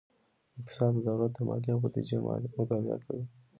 اقتصاد د دولت مالیې او بودیجه مطالعه کوي.